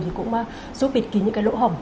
thì cũng giúp bịt kín những cái lỗ hỏng